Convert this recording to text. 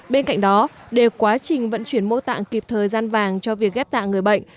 bên cạnh đó để quá trình vận chuyển mô tạng kịp thời gian vàng cho việc ghép tạng người bệnh